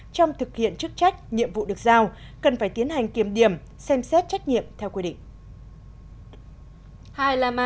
trong thực hiện chức trách nhiệm vụ được giao cần phải tiến hành kiểm điểm xem xét trách nhiệm theo quy định